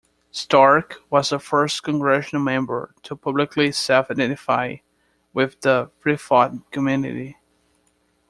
Stark was the first Congressional member to publicly self-identify with the freethought community.